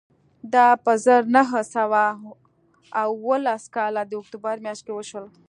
دا په زر نه سوه اوولس کال د اکتوبر میاشت کې وشول